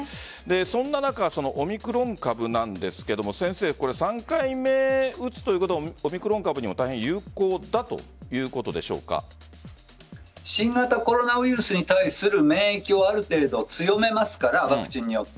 そんな中オミクロン株なんですが３回目、打つということはオミクロン株にも大変有効だ新型コロナウイルスに対する免疫をある程度、強めますからワクチンによって。